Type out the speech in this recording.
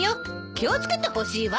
気を付けてほしいわ！